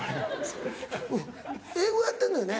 うん英語やってんのよね？